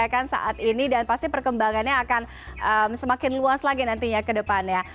kita akan saat ini dan pasti perkembangannya akan semakin luas lagi nantinya ke depannya